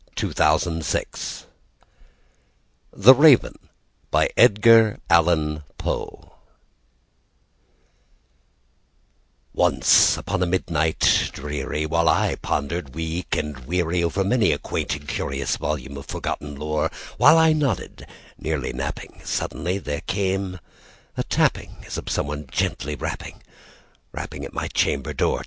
Edgar Allan Poe 1809–1849 Edgar Allan Poe 84 The Raven ONCE upon a midnight dreary, while I pondered, weak and weary, Over many a quaint and curious volume of forgotten lore,—While I nodded, nearly napping, suddenly there came a tapping, As of some one gently rapping, rapping at my chamber door.